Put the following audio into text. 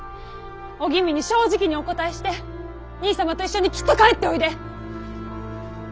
お吟味に正直にお答えして兄さまと一緒にきっと帰っておいで。